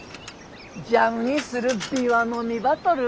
ジャムにするビワの実ば取る。